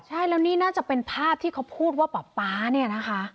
ใช่แล้วนี่น่าจะเป็นภาพที่เขาพูดว่าป๊าป๊าเนี่ยนะคะ